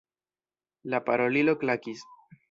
La parolilo klakis.